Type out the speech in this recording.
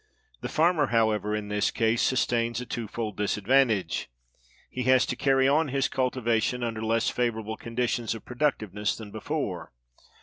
The farmer, however, in this case sustains a twofold disadvantage. He has to carry on his cultivation under less favorable conditions of productiveness than before.